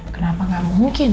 kenapa tidak mungkin